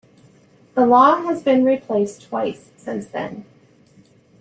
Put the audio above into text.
The law has been replaced twice since then.